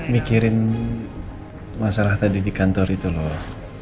mikirin masalah tadi di kantor itu loh